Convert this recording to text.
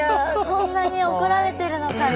こんなに怒られてるのか。